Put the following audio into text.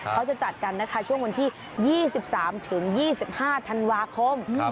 เขาจะจัดกันนะคะช่วงวันที่๒๓๒๕ธันวาคม